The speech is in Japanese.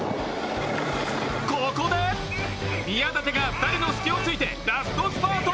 ここで、宮舘が２人の隙をついてラストスパート。